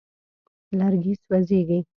لرګي سوځېږي.